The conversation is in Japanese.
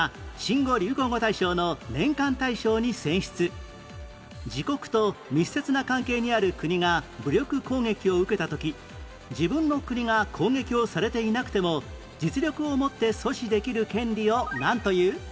９年前自国と密接な関係にある国が武力攻撃を受けた時自分の国が攻撃をされていなくても実力を持って阻止できる権利をなんという？